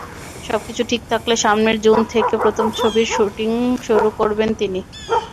সবকিছু ঠিক থাকলে সামনের জুন থেকে প্রথম ছবির শুটিং শুরু করবেন তিনি।